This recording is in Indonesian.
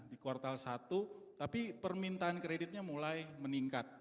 di kuartal satu tapi permintaan kreditnya mulai meningkat